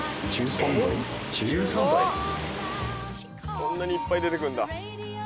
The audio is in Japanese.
こんなにいっぱい出てくんだ。